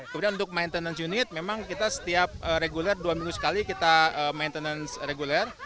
kemudian untuk maintenance unit memang kita setiap reguler dua minggu sekali kita maintenance reguler